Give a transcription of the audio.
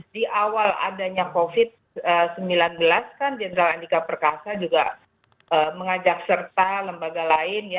di awal adanya covid sembilan belas kan jenderal andika perkasa juga mengajak serta lembaga lain